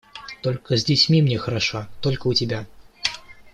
Только с детьми мне хорошо, только у тебя.